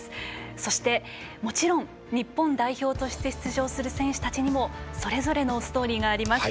そして、もちろん日本代表として出場する選手にもそれぞれのストーリーがあります。